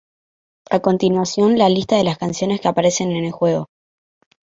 A continuación, la lista de las canciones que aparecen en el juego.